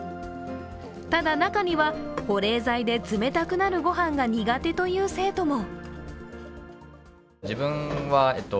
ただ、中には保冷剤で冷たくなる御飯が苦手という生徒も。